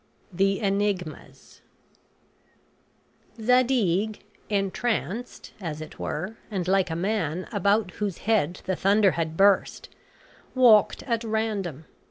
THE ENIGMAS Zadig, entranced, as it were, and like a man about whose head the thunder had burst, walked at random.